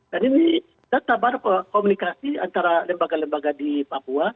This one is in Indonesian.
dan ini data banyak komunikasi antara lembaga lembaga di papua